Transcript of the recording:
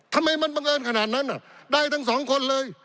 ทำไมมันบังเอิญขนาดนั้นได้ทั้งสองคนเลย